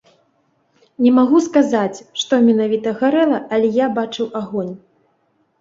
Не магу сказаць, што менавіта гарэла, але я бачыў агонь.